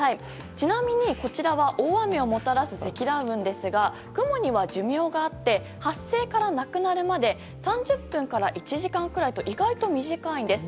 ちなみにこちらは大雨をもたらす積乱雲ですが雲には寿命があって発生からなくなるまで３０分から１時間くらいと意外と短いんです。